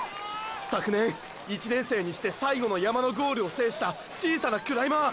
昨年１年生にして最後の山のゴールを制した小さなクライマー！！